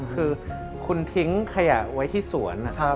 คือคุณทิ้งขยะไว้ที่สวน